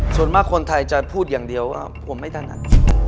ส่วนมากคนไทยจะพูดอย่างเดียวว่าผมไม่ถนัด